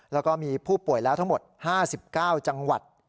แล้วก็มีผู้ป่วยแล้วทั้งหมด๕๙จังหวัด